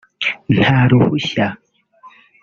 nta ruhushya